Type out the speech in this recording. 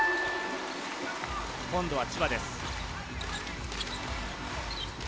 今度は千葉です。